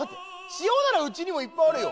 塩ならうちにもいっぱいあるよ。